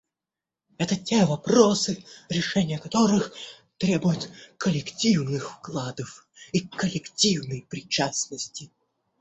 Это те вопросы, решение которых требует коллективных вкладов и коллективной причастности.